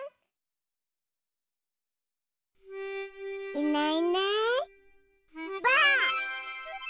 いないいないばあっ！